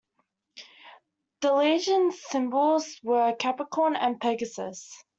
The legion's symbols were a Capricorn and Pegasus.